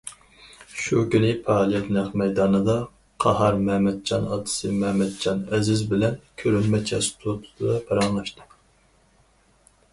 شۇ كۈنى پائالىيەت نەق مەيدانىدا، قاھار مەمەتجان ئاتىسى مەمەتجان ئەزىز بىلەن كۆرۈنمە چاستوتىدا پاراڭلاشتى.